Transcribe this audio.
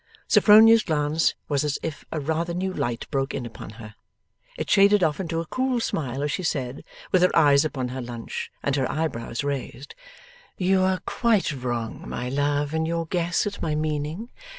Sophronia's glance was as if a rather new light broke in upon her. It shaded off into a cool smile, as she said, with her eyes upon her lunch, and her eyebrows raised: 'You are quite wrong, my love, in your guess at my meaning.